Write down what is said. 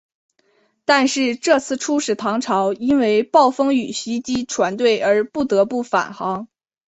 但是这次出使唐朝因为暴风雨袭击船队而不得不返航。